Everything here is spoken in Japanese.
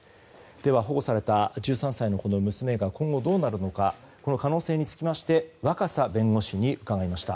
保護された１３歳の娘が今後どうなるのかこの可能性につきまして若狭弁護士に伺いました。